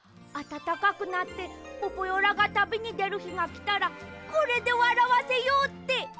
あたたかくなってポポヨラがたびにでるひがきたらこれでわらわせようって！